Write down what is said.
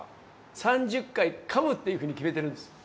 「３０回かむ」っていうふうに決めてるんです。